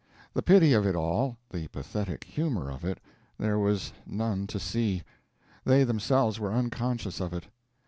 The pity of it all, the pathetic humor of it, there was none to see; they themselves were unconscious of it.